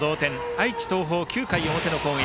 愛知・東邦、９回表の攻撃。